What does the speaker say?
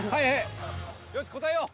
よし答えよう。